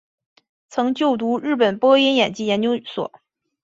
曾就读日本播音演技研究所。